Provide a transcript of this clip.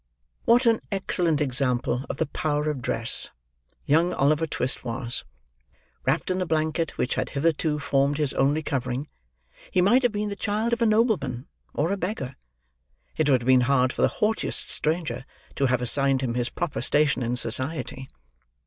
What an excellent example of the power of dress, young Oliver Twist was! Wrapped in the blanket which had hitherto formed his only covering, he might have been the child of a nobleman or a beggar; it would have been hard for the haughtiest stranger to have assigned him his proper station in society.